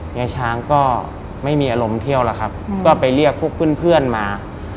ยายช้างก็ไม่มีอารมณ์เที่ยวแล้วครับก็ไปเรียกพวกเพื่อนมา